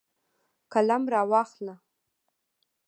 قلم راواخله